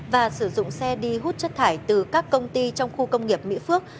và sử dụng xe đi hút chất thải từ các công ty trong khu công nghiệp mỹ phước